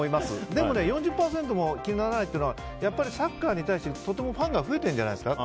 でも４０％も気にならないというのはサッカーに対してとてもファンが増えてるんじゃないですか。